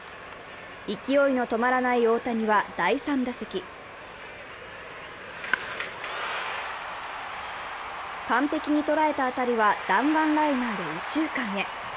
勢いの止まらない大谷は第３打席、完璧に捉えた当たりは弾丸ライナーで右中間へ。